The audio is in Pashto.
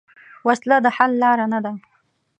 وسله د حل لار نه ده